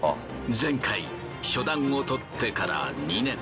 前回初段を取ってから２年。